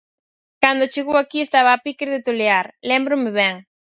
Cando chegou aquí estaba a piques de tolear, lémbrome ben.